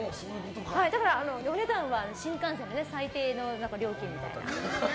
だから、お値段は新幹線で最低の料金みたいな。